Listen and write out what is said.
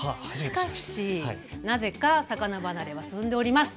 なぜか魚離れが進んでおります